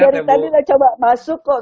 dari tadi udah coba masuk kok